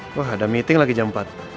wah ada meeting lagi jam empat